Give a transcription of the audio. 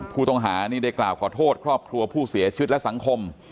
ผู้ต้องหานี่ได้กล่าวขอโทษครอบครัวผู้เสียชีวิตและสังคม